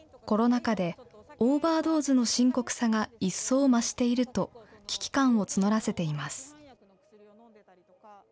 コロナ禍でオーバードーズの深刻さが一層増していると、危機感を募らせています。